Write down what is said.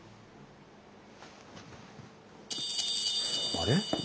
あれ？